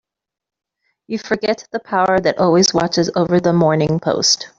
You forget the power that always watches over the Morning Post.